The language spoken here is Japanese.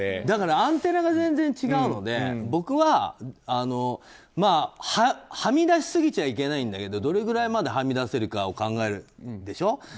だからアンテナが全然違うので僕は、はみ出しすぎちゃいけないんだけどどれぐらいまではみ出せるかを考えるでしょ。